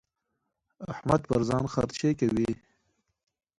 احمد پر ځان خرڅې کوي.